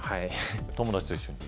友達と一緒に？